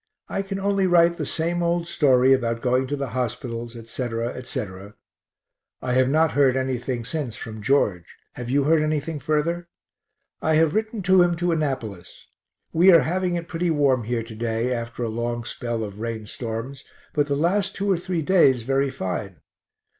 I can only write the same old story about going to the hospitals, etc., etc. I have not heard anything since from George have you heard anything further? I have written to him to Annapolis. We are having it pretty warm here to day, after a long spell of rain storms, but the last two or three days very fine.